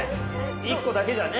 １個だけじゃね